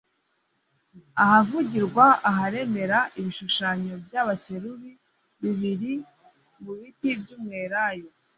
Ahavugirwa aharemera ibishushanyo by’abakerubi bibiri mu biti by’umwelayo